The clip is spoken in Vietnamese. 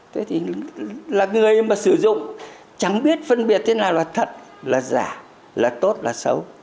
thế thì là người mà sử dụng chẳng biết phân biệt thế nào là thật là giả là tốt là xấu